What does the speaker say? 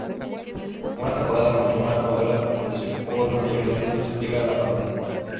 Una temporada mucho más madura, donde se corren mayores riesgos llega a la pantalla.